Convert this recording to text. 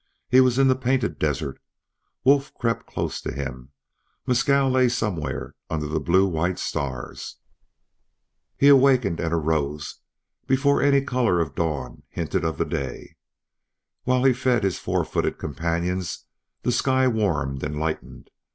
He was in the Painted Desert; Wolf crept close to him; Mescal lay somewhere under the blue white stars. He awakened and arose before any color of dawn hinted of the day. While he fed his four footed companions the sky warmed and lightened.